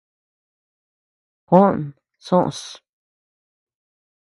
Juó soʼös.